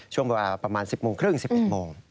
ช่วงเวลาประมาณ๑๐โมงครึ่ง๑๑โมง